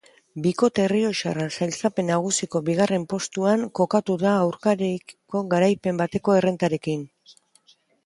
Bikote errioxarra sailkapen nagusiko bigarren postuan kokatu da aurkariekiko garaipen bateko errentarekin.